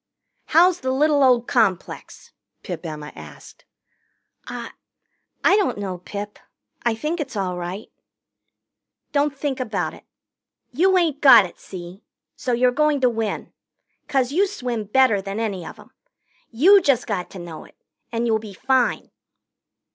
"How's the little old complex?" Pip Emma asked. "I I don't know, Pip. I think it's all right." "Don't think about it. You ain't got it, see? So you're going to win. 'Cause you swim better than any of 'em. You just got to know it, and you'll be fine."